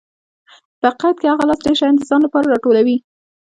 په حقیقت کې هغه لاس ډېر شیان د ځان لپاره راټولوي.